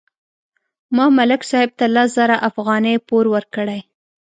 ما ملک صاحب ته لس زره افغانۍ پور ورکړې.